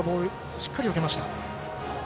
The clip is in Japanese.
しっかりよけました。